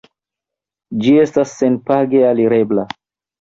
Ĝi estas senpage alirebla.